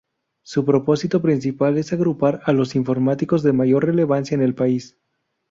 Su propósito principal es agrupar a los informáticos de mayor relevancia en el país.